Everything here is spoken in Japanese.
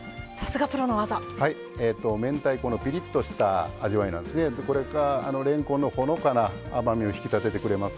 明太子のピリッとした味わいでこれがれんこんのほのかな甘みを引き立ててくれます。